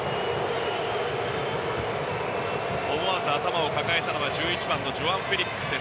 思わず頭を抱えたのは１１番のジョアン・フェリックス。